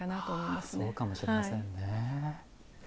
そうかもしれませんね。